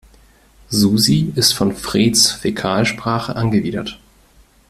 Susi ist von Freds Fäkalsprache angewidert.